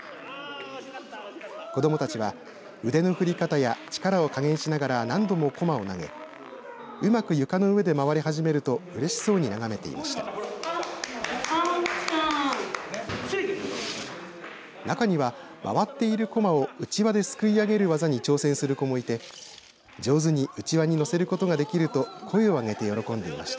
子どもたちは腕の振り方や力を加減しながら何度も、こまを投げうまく床の上で回り始めるとうれしそうに眺めていました。